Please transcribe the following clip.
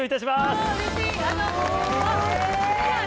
うれしい。